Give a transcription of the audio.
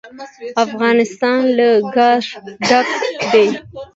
افغانستان له ګاز ډک دی.